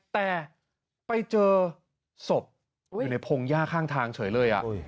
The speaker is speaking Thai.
แต่ไปเจอศพอยู่ในพงหญ้าข้างทางเฉยเลย